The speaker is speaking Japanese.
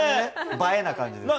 映えな感じですよね。